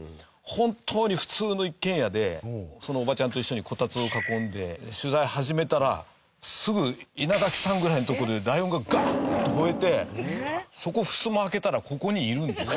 本当に普通の一軒家でそのおばちゃんと一緒にこたつを囲んで取材始めたらすぐ稲垣さんぐらいのとこでライオンが「ガァー！！」と吠えてそこふすま開けたらここにいるんです。